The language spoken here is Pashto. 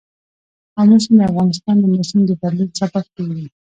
آمو سیند د افغانستان د موسم د بدلون سبب کېږي.